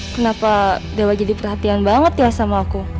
kenapa dewa jadi perhatian banget ya sama aku